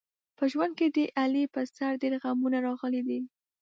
په ژوند کې د علي په سر ډېر غمونه راغلي دي.